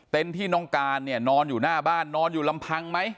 ที่น้องการเนี่ยนอนอยู่หน้าบ้านนอนอยู่ลำพังไหม